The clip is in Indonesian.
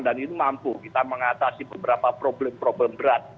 dan itu mampu kita mengatasi beberapa problem problem berat